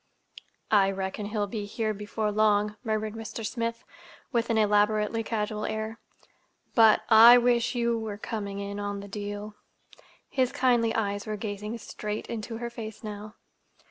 "I reckon he'll be here before long," murmured Mr. Smith, with an elaborately casual air. "But—I wish you were coming in on the deal." His kindly eyes were gazing straight into her face now.